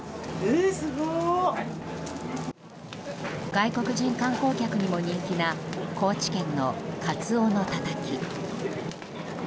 外国人観光客にも人気な高知県のカツオのたたき。